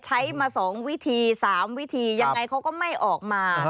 ใช้มา๒วิธี๓วิธียังไงเขาก็ไม่ออกมา